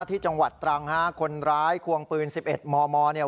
ที่จังหวัดตรังฮะคนร้ายควงปืน๑๑มมเนี่ย